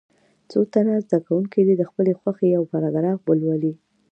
څو تنه زده کوونکي دې د خپلې خوښې یو پاراګراف ولولي.